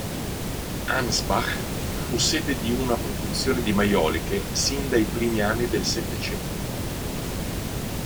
Ansbach fu sede di una produzione di maioliche sin dai primi anni del Settecento.